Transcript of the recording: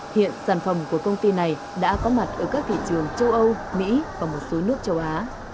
hiện sản phẩm của công ty này đã có mặt ở các thị trường châu âu mỹ và một số nước châu á